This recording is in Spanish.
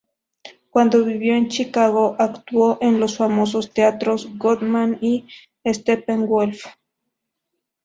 Cuando vivió en Chicago, actuó en los famosos teatros Goodman y Steppenwolf.